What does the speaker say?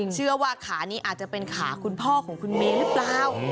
เชื่อว่าขานี้อาจจะเป็นขาคุณพ่อของคุณเมย์หรือเปล่า